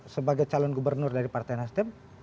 sebagai calon gubernur dari partai nasdem